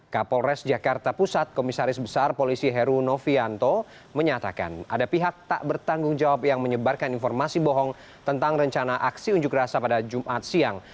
kapolres jakarta pusat komisaris besar polisi heru novianto menyatakan ada pihak tak bertanggung jawab yang menyebarkan informasi bohong tentang rencana aksi unjuk rasa pada jumat siang